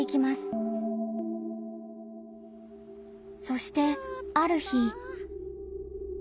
そしてある日。